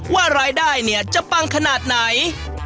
ว่ารายได้เนี่ยจะปังขนาดไหน